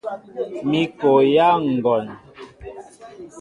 Mi kɔyá ŋgɔn.